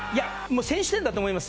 先取点だと思います。